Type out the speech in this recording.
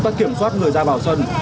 các kiểm soát người ra vào sân